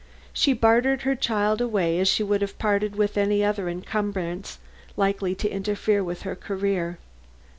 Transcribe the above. She bartered her child away as she would have parted with any other encumbrance likely to interfere with her career.